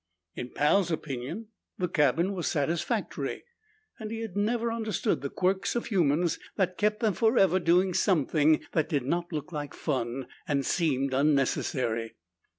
In Pal's opinion the cabin was satisfactory, and he had never understood the quirks of humans that kept them forever doing something that did not look like fun and seemed unnecessary.